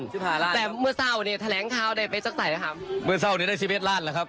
สิบห้าลานแต่เมื่อเศร้าเนี้ยแถลงเขาได้ไปจักรไทยนะครับเมื่อเศร้าเนี้ยได้สิบเอ็ดล้านละครับ